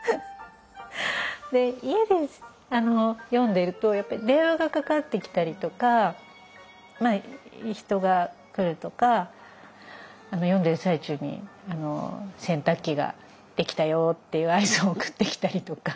家で読んでると電話がかかってきたりとか人が来るとか読んでる最中に洗濯機ができたよっていう合図を送ってきたりとか。